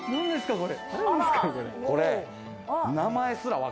これ。